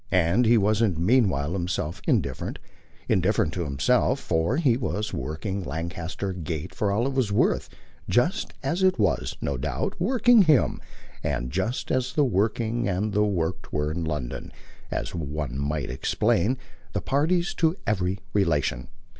And he wasn't meanwhile himself indifferent indifferent to himself for he was working Lancaster Gate for all it was worth: just as it was, no doubt, working him, and just as the working and the worked were in London, as one might explain, the parties to every relation.